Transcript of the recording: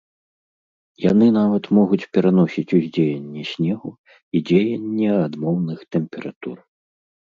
Яны нават могуць пераносіць ўздзеянне снегу і дзеянне адмоўных тэмператур.